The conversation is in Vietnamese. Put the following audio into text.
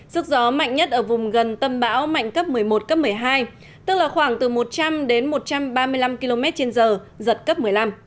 sức gió mạnh nhất ở vùng gần tâm bão mạnh cấp một mươi một cấp một mươi hai tức là khoảng từ một trăm linh đến một trăm ba mươi năm km trên giờ giật cấp một mươi năm